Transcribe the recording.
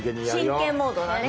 真剣モードだね。